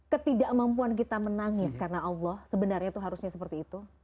ketidakmampuan kita menangis karena allah sebenarnya itu harusnya seperti itu